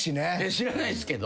知らないっすけど。